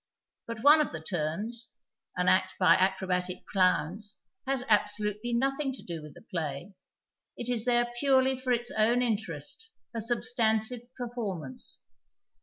But one of the " turns," an act by acrobatic clowns, has absolutely nothing to do with the play ; it is there purely for its own interest, a substantive })cr formance.